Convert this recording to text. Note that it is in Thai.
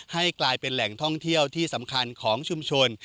ให้กลายเป็นแหล่งท่องเที่ยวที่สำคัญของชุมชน